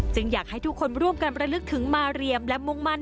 อยากให้ทุกคนร่วมกันระลึกถึงมาเรียมและมุ่งมั่น